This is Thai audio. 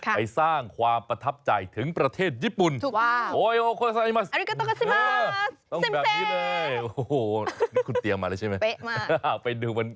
ไปสร้างความประทับใจถึงประเทศญี่ปุ่น